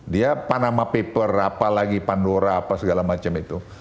dia panama paper apa lagi pandora apa segala macam itu